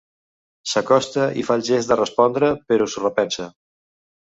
S'acosta i fa el gest de respondre, però s'ho repensa.